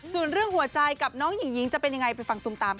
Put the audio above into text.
ส่วนเรื่องหัวใจกับน้องหญิงหญิงจะเป็นยังไงไปฟังตุมตาม